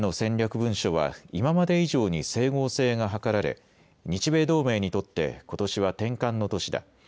文書は今まで以上に整合性が図られ日米同盟にとってことしは転換の年だ。